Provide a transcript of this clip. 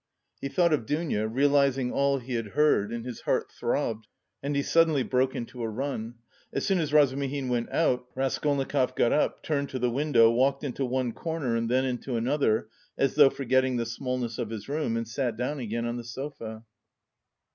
He thought of Dounia, realising all he had heard and his heart throbbed, and he suddenly broke into a run. As soon as Razumihin went out, Raskolnikov got up, turned to the window, walked into one corner and then into another, as though forgetting the smallness of his room, and sat down again on the sofa.